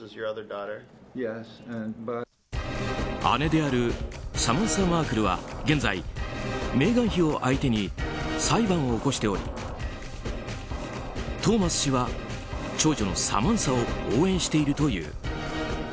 姉であるサマンサ・マークルは現在、メーガン妃を相手に裁判を起こしておりトーマス氏は長女のサマンサを応援しているという。